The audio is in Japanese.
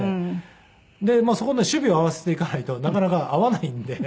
でそこの趣味を合わせていかないとなかなか合わないんで。